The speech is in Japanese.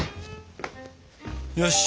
よし！